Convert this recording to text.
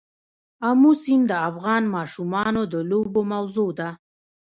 آمو سیند د افغان ماشومانو د لوبو موضوع ده.